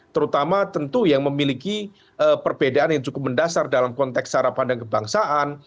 terutama tentu yang memiliki perbedaan yang cukup mendasar dalam konteks cara pandang kebangsaan